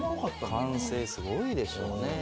歓声すごいでしょうね。